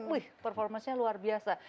uih performasinya luar biasa